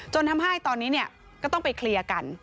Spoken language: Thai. จนทำให้ตอนนี้ก็ต้องไปเคลียร์กัน